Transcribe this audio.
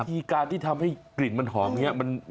วิธีการที่ทำให้กลิ่นมันหอมอย่างนี้